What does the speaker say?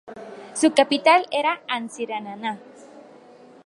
Su capital era Antsiranana.